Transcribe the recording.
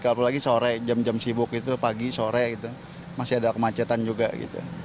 apalagi sore jam jam sibuk itu pagi sore masih ada kemacetan juga gitu